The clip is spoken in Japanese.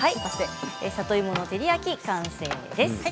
里芋の照り焼き、完成です。